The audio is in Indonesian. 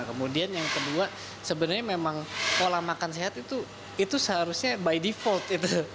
kemudian yang kedua sebenarnya memang pola makan sehat itu seharusnya by default gitu